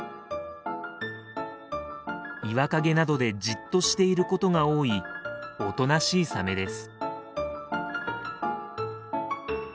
岩陰などでじっとしていることが多いおとなしいサメです。